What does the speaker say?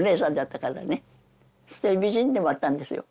そして美人でもあったんですよ。